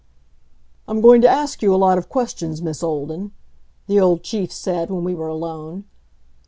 "I'm going to ask you a lot of questions, Miss Olden," the old Chief said, when we were alone.